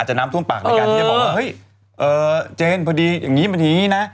เจนพอดีอย่างงี้